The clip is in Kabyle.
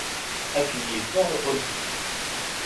Ad kem-yeffeɣ uḥulfu.